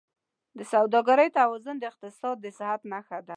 د سوداګرۍ توازن د اقتصاد د صحت نښه ده.